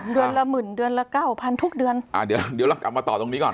เดือนละหมื่นเดือนละเก้าพันทุกเดือนอ่าเดี๋ยวเดี๋ยวเรากลับมาต่อตรงนี้ก่อน